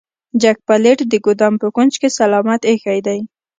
جک پلیټ د ګدام په کونج کې سلامت ایښی دی.